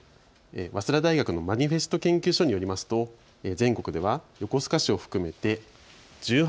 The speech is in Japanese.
早稲田大学のマニフェスト研究所によりますと全国では横須賀市を含めて１８